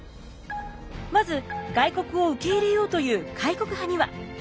まず外国を受け入れようという開国派には。